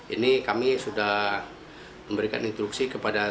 ini kami sudah memberikan instruksi kepada